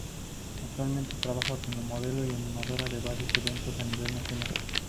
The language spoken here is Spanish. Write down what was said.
Actualmente trabaja como modelo y animadora de varios eventos a nivel nacional.